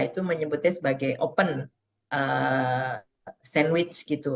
itu menyebutnya sebagai open sandwich gitu